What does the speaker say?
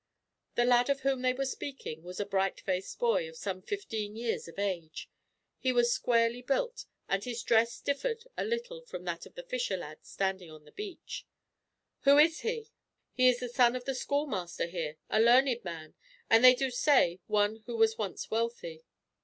The lad of whom they were speaking was a bright faced boy, of some fifteen years of age. He was squarely built, and his dress differed a little from that of the fisher lads standing on the beach. "Who is he?" asked Captain Drake. "He is the son of the schoolmaster here, a learned man, and they do say one who was once wealthy.